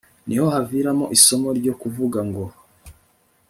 niho haviramo isomo ryo kuvuga ngo